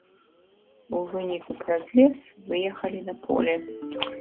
У выніку праз лес выехалі на поле.